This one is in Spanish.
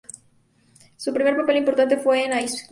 Su primer papel importante fue en "Iceman.